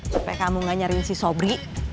supaya kamu tidak mencari si sobri